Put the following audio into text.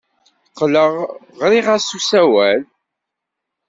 Qqleɣ ɣriɣ-as s usawal.